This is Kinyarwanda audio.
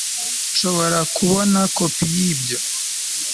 nshobora kubona kopi yibyo